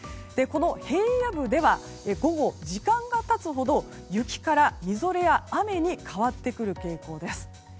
平野部では午後、時間が経つほど雪からみぞれや雨に変わってくる傾向です。